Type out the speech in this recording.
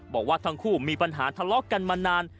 บอกว่าทั้งคู่มีปัญหาทะเลาะกันมานาน